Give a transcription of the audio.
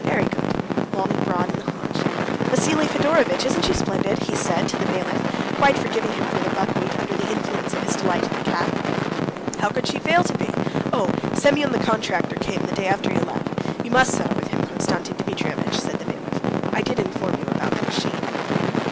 Very good. Long and broad in the haunch. Vassily Fedorovitch, isn't she splendid?" he said to the bailiff, quite forgiving him for the buckwheat under the influence of his delight in the calf. "How could she fail to be? Oh, Semyon the contractor came the day after you left. You must settle with him, Konstantin Dmitrievitch," said the bailiff. "I did inform you about the machine."